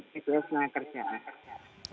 bgjs nah kerjaan